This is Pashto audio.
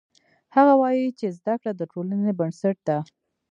هغه وایي چې زده کړه د ټولنې بنسټ ده